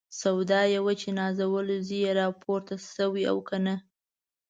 سودا یې وه چې نازولی زوی یې راپورته شوی او که نه.